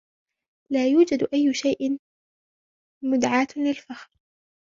لا يوجد أي شيء مدعاة للفخر.